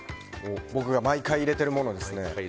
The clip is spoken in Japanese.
僕が毎回入れているものです。